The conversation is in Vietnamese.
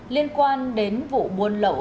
liên quan đến vụ buôn lậu